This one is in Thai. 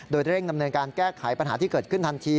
โดยเร่งดำเนินการแก้ไขปัญหาที่เกิดขึ้นทันที